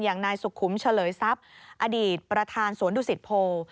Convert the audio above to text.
อย่างนายสุขุมเฉลยทรัพย์อดีตประธานสวนดุสิตโพ